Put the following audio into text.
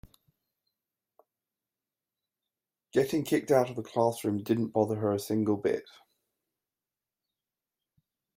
Getting kicked out of the classroom didn't bother her a single bit.